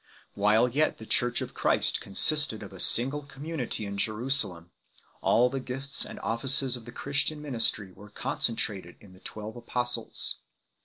While yet the Church of Christ consisted of a single community in Jerusalem, all the gifts and offices of the Christian ministry were concentrated in the twelve Apostles.